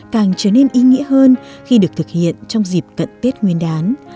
càng trở nên ý nghĩa hơn khi được thực hiện trong dịp cận tết nguyên đán